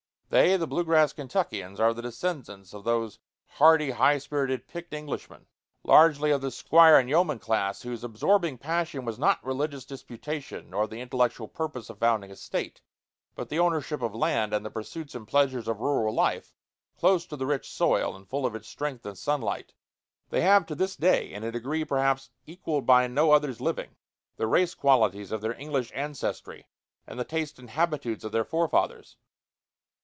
They, the blue grass Kentuckians, are the descendants of those hardy, high spirited, picked Englishmen, largely of the squire and yeoman class, whose absorbing passion was not religious disputation, nor the intellectual purpose of founding a State, but the ownership of land and the pursuits and pleasures of rural life, close to the rich soil, and full of its strength and sunlight. They have to this day, in a degree perhaps equalled by no others living, the race qualities of their English ancestry and the tastes and habitudes of their forefathers.